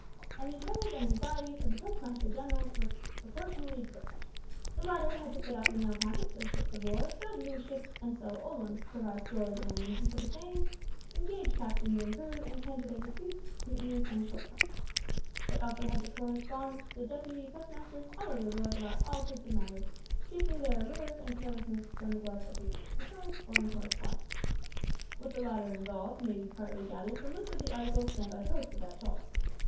And the troubles and anxieties of the Postmaster Generals were proportionately great. The latter had to fit out the mail packets as ships of war, build new ships, and sell old ones, provide stores and ammunition for the same, engage captains and crews, and attend to their disputes, mutinies, and shortcomings. They had also to correspond with the deputy postmasters all over the country about all sorts of matters chiefly their arrears and carelessness or neglect of duty besides foreign correspondence. What the latter involved may be partly gathered from lists of the articles sent by post at that time.